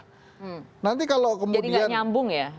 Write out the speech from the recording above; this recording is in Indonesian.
jadi gak nyambung ya